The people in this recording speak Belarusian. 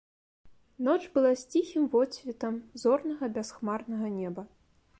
Ноч была з ціхім водсветам зорнага бясхмарнага неба.